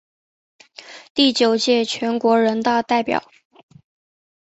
第九届全国人大代表。